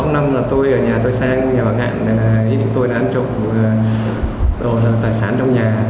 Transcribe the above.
một mươi sáu năm là tôi ở nhà tôi sang nhà bà ngạn ý định tôi là ăn trộm đồ tài sản trong nhà